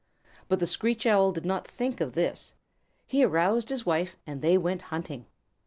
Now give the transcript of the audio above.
But the Screech Owl did not think of this. He aroused his wife and they went hunting.